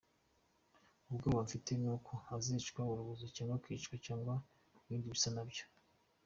Ubwoba mfite ni uko azicwa urubozo cyangwa akicwa cyangwa ibindi bisa nabyo.